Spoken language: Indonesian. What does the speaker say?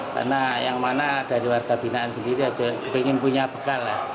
karena yang mana dari warga binaan sendiri ingin punya bekal